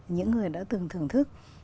những người đã từng thưởng thức